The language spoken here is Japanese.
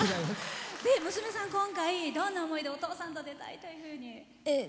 娘さん、今回どんな思いでお父さんと歌いたいというふうに。